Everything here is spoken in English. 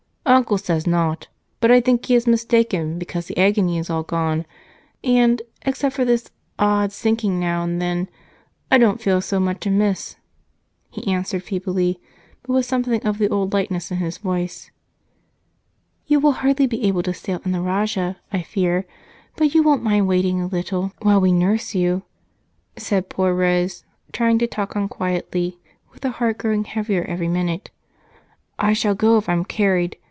"Uncle says not, but I think he is mistaken, because the agony is all gone, and except for this odd sinking now and then, I don't feel so much amiss," he answered feebly but with something of the old lightness in his voice. "You will hardly be able to sail in the Rajah, I fear, but you won't mind waiting a little while we nurse you," said poor Rose, trying to talk on quietly, with her heart growing heavier every minute. "I shall go if I'm carried!